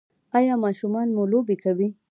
ایا ماشومان مو لوبې کوي؟